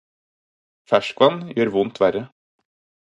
Ferskvann gjør vondt verre.